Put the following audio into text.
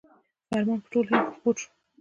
فرمان په ټول هند کې خپور شو.